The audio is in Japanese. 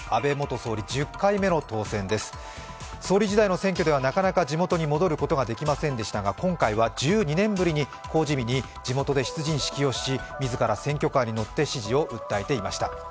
総理時代の選挙ではなかなか地元に戻ることができませんでしたが今回は１２年ぶりに公示日に地元で出陣式をし自ら選挙カーに乗って支持を訴えていました。